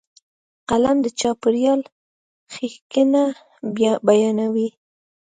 قلم د چاپېریال ښېګڼه بیانوي